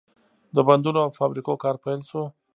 د بندونو او فابریکو کار پیل شو.